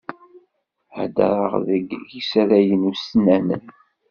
Ḥeddṛeɣ deg yisaragen ussnanen.